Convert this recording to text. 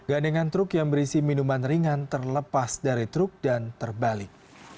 gandengan truk yang berisi minuman ringan terlepas dari truk dan terbalik